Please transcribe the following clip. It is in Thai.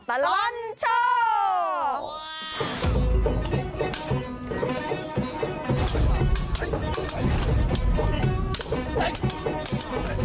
ตลาดละวันช่วง